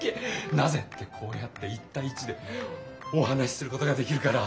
なぜってこうやって１たい１でお話しすることができるから。